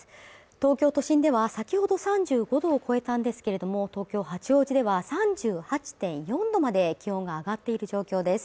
東京都心では先ほど３５度を超えたんですけれども東京・八王子では３８．４度まで気温が上がっている状況です。